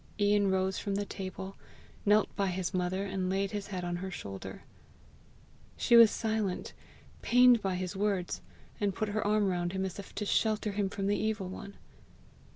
'" Ian rose from the table, knelt by his mother, and laid his head on her shoulder. She was silent, pained by his words, and put her arm round him as if to shelter him from the evil one.